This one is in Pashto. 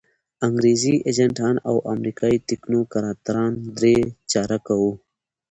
انګریزي ایجنټان او امریکایي تکنوکراتان درې چارکه وو.